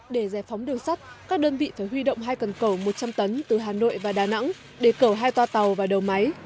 để giải phóng đường sắt các đơn vị phải huy động hai cần cầu một trăm linh tấn từ hà nội và đà nẵng để cầu hai toa tàu và đầu máy